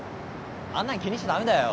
あんなん気にしちゃ駄目だよ。